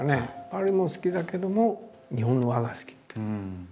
パリも好きだけども日本の和が好きっていう。